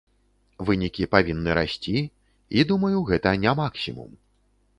Вынікі павінны расці, і, думаю, гэта не максімум.